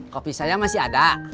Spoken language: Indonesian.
kopi saya masih ada